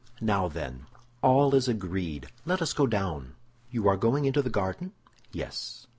Now, then, all is agreed; let us go down." "You are going into the garden?" "Yes."